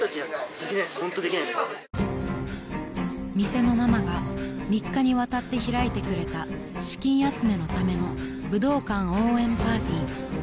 ［店のママが３日にわたって開いてくれた資金集めのための武道館応援パーティー］